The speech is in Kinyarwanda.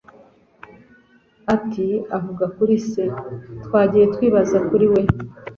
ati: "Avuga ko ari se" "Twagiye twibaza kuri we"